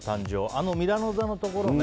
あのミラノ座のところね。